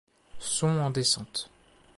Son en descente.